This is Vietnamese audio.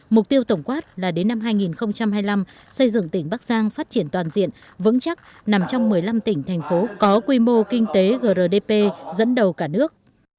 mục tiêu tổng quát là đến năm hai nghìn hai mươi năm xây dựng tỉnh bắc giang phát triển toàn diện vững chắc nằm trong một mươi năm tỉnh thành phố có quy mô kinh tế grdp dẫn đầu cả nước